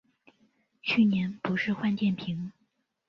去年不是换电瓶